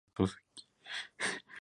como tendremos ocasión de comprobar